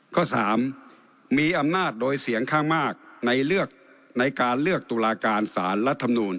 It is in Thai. ข้อ๓มีอำนาจโดยเสียงข้างมากในเลือกในการเลือกตุลาการสารรัฐมนูล